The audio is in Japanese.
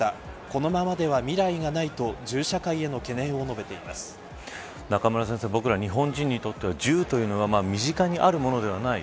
このままでは未来がないと中村先生僕ら日本人にとっては銃というのは身近にあるものではない。